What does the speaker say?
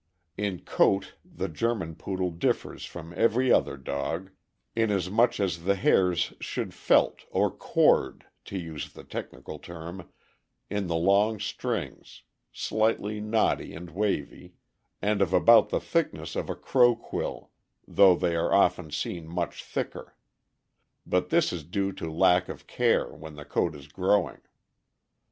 In coat the German Poodle differs from every other dog, inasmuch as the hairs should felt, or "cord," to use the technical term, in long strings, slightly knotty and wavy, and of about the thickness of a crow quill, though they are often seen much thicker; but this is due to lack of care when the coat is growing.